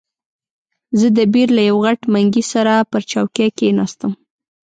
زه د بیر له یوه غټ منګي سره پر چوکۍ کښېناستم.